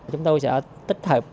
chúng tôi sẽ tích hợp